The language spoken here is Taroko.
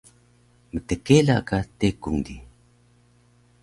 mtkela ka tekung di